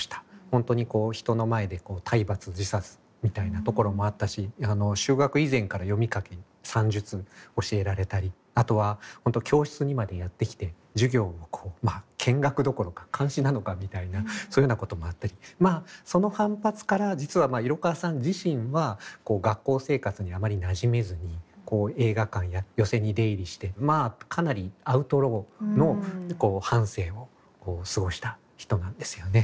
本当にこう人の前で体罰辞さずみたいなところもあったし就学以前から読み書き算術教えられたりあとは本当教室にまでやって来て授業を見学どころか監視なのかみたいなそういうようなこともあったりその反発から実は色川さん自身は学校生活にあまりなじめずに映画館や寄席に出入りしてまあかなりアウトローの半生を過ごした人なんですよね。